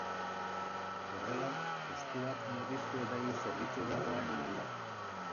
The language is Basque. Horrela, kostuak murriztu eta hiritarrei zerbitzu hobeagoa eman ahal da.